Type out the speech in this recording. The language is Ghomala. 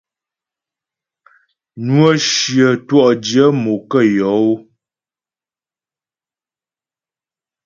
Nwə́ shyə twɔ'dyə̂ mo kə yɔ́ ó.